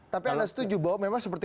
tapi anda setuju bahwa memang seperti